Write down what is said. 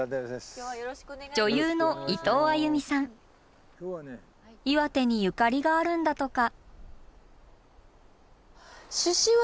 女優の岩手にゆかりがあるんだとか。